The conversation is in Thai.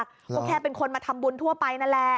ก็แค่เป็นคนมาทำบุญทั่วไปนั่นแหละ